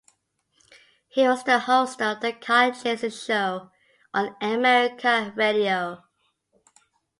He was the host of "The Kyle Jason Show" on Air America Radio.